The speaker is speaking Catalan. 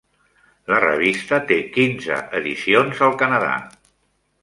La revista té quinze edicions al Canadà.